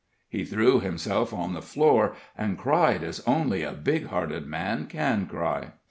He threw himself on the floor, and cried as only a big hearted man can cry.